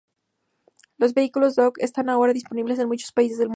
Los vehículos Dodge están ahora disponibles en muchos países del mundo.